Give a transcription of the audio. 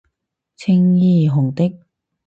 青衣紅的